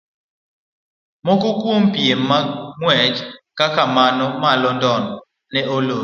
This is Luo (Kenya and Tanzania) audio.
Moko kuom piem mag ng'wech kaka mano ma London ne olor.